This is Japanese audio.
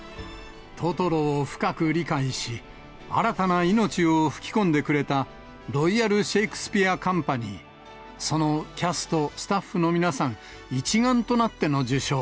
トトロを深く理解し、新たな命を吹き込んでくれた、ロイヤル・シェイクスピア・カンパニー、そのキャスト、スタッフの皆さん、一丸となっての受賞。